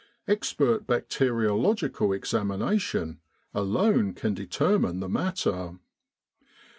Expert bacteriological examination alone can determine the matter.